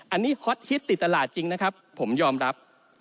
อันนี้ฮอตฮิตติดตลาดจริงนะครับผมยอมรับ